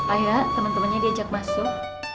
ayo temen temennya diajak masuk